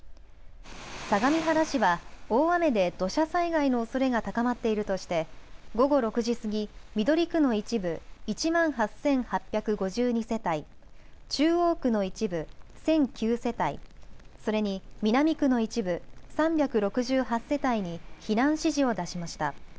相模原市は大雨で土砂災害のおそれが高まっているとして午後６時過ぎ、緑区の一部１万８８５２世帯、中央区の一部１００９世帯、それに南区の一部３６８世帯に避難指示を出しました。